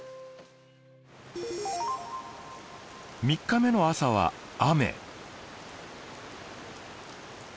３日目の朝は雨。